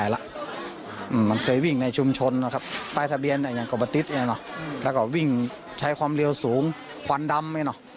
แล้วก็วิ่งใช้ความเร็วสูงควันดำไหมเนอะ